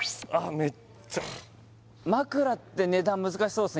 メッチャ枕って値段難しそうっすね